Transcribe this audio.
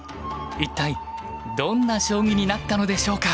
一体どんな将棋になったのでしょうか！